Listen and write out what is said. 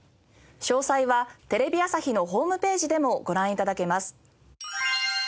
詳細はテレビ朝日のホームページでもご覧頂けます。